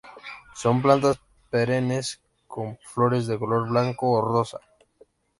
Son plantas perennes con flores de color blanco o rosa.